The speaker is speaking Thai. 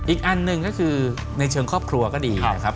อีกอันหนึ่งก็คือในเชิงครอบครัวก็ดีนะครับ